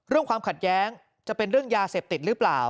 ความขัดแย้งจะเป็นเรื่องยาเสพติดหรือเปล่า